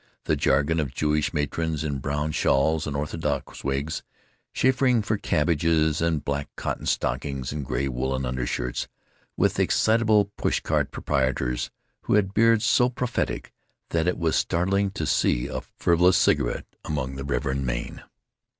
The jargon of Jewish matrons in brown shawls and orthodox wigs, chaffering for cabbages and black cotton stockings and gray woolen undershirts with excitable push cart proprietors who had beards so prophetic that it was startling to see a frivolous cigarette amid the reverend mane.